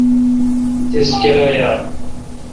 تیس کیرایال؟